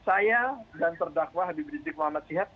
saya dan terdakwa habib rizik muhammad sihab